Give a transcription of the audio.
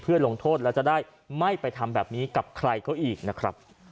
เพื่อลงโทษแล้วจะได้ไม่ไปทำแบบนี้กับใครเขาอีกนะครับ